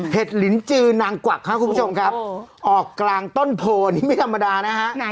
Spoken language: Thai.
ลินจือนางกวักครับคุณผู้ชมครับออกกลางต้นโพนี่ไม่ธรรมดานะฮะ